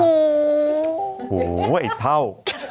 โอ้โหไอ้เท่า